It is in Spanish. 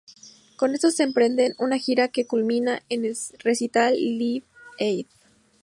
Con estos emprenden una gira que culmina en el recital Live Aid.